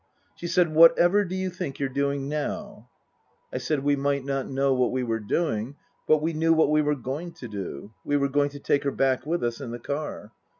She said, " Whatever do you think you're doing now ?" I said we might not know what we were doing, but we knew what we were going to do. We were going to take her back with us in the car.